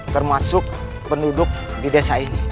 termasuk penduduk di desa ini